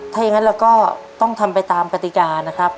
ถ้าอย่างนั้นเราก็ต้องทำไปตามกติกานะครับ